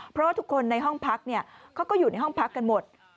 เพราะว่าทุกคนในห้องพักเขาก็อยู่ในห้องพักกันหมด